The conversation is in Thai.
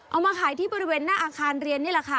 เอามาขายที่บริเวณหน้าอาคารเรียนนี่แหละค่ะ